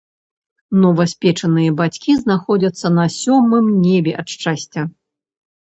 Новаспечаныя бацькі знаходзяцца на сёмым небе ад шчасця.